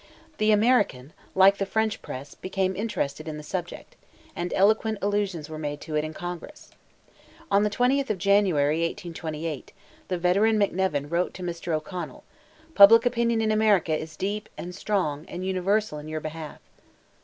The American, like the French press, became interested in the subject, and eloquent allusions were made to it in Congress. On the 20th of January, 1828, the veteran McNevin wrote to Mr. O'Connell—"Public opinion in America is deep, and strong, and universal, in your behalf.